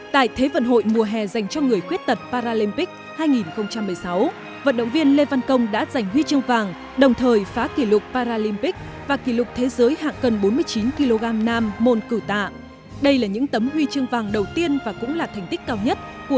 tại thế vận hội mùa hè dành cho người khuyết tật paralympics hai nghìn một mươi sáu vận động viên lê văn công đã giành huy chương vàng đồng thời phá kỷ lục paralympics và kỷ lục thế giới hạng cân bốn mươi chín triệu